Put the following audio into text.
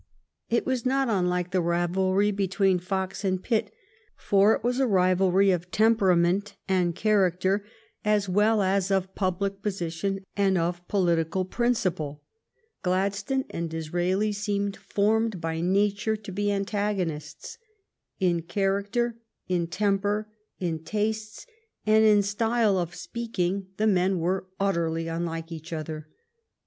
It was not unlike the rivalry between Fox and Pitt, for it was a rivalry of temperament and character as well as of pub lic position and of political principle. Gladstone and Disraeli seemed formed by nature to be an tagonists. In character, in temper, in tastes, and in style of speaking the men were utterly unlike each other.